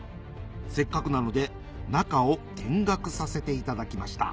せっかくなので中を見学させていただきました